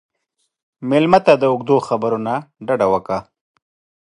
مېلمه ته د اوږدو خبرو نه ډډه وکړه.